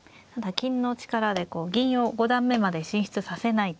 金の力で銀を五段目まで進出させないと。